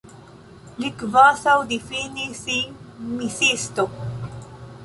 Li kvazaŭ difinis sin misiisto.